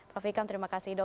prof ikam terima kasih